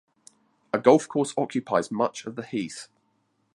A golf course occupies much of the heath.